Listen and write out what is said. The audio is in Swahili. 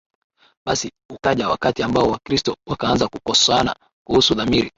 Basi ukaja wakati ambao Wakristo wakaanza kukosoana kuhusu dhamiri